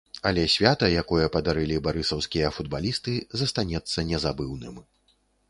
Але свята, якое падарылі барысаўскія футбалісты, застанецца незабыўным.